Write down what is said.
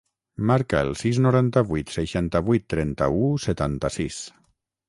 Marca el sis, noranta-vuit, seixanta-vuit, trenta-u, setanta-sis.